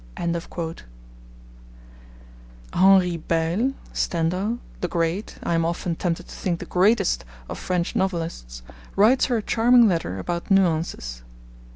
Henri Beyle (Stendhal), the great, I am often tempted to think the greatest of French novelists, writes her a charming letter about nuances.